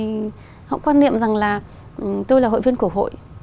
cho rằng là tôi là hội viên của hội